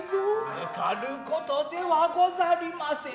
抜かることではござりませぬ。